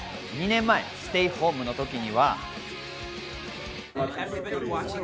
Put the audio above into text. ２年前、ステイホームの時には。